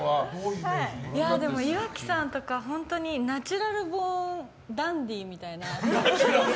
岩城さんとかナチュラルボーンダンディーみたいな。